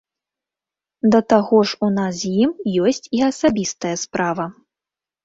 Да таго ж у нас з ім ёсць і асабістая справа.